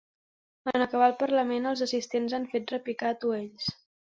En acabar el parlament, els assistents han fet repicar atuells.